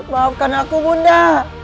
maafkan aku bunda